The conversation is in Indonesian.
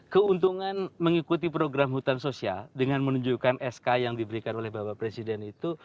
keuntungan mengikuti program hutan sosial dengan menunjukkan sk yang diberikan oleh bapak presiden itu